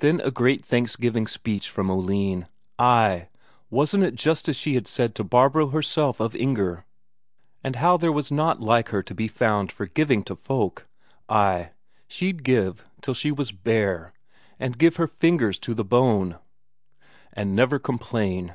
Then a great thanksgiving speech from Oline: ay, wasn't it just as she had said to Barbro herself of Inger, and how there was not her like to be found for giving to folk; ay, she'd give till she was bare, and give her fingers to the bone, and never complain.